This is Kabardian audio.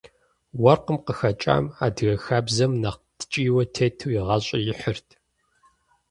Уэркъым къыхэкӏам адыгэ хабзэм нэхъ ткӏийуэ тету и гъащӏэр ихьырт.